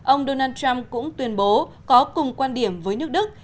ông donald trump cũng tuyên bố có cùng quan điểm với nước đức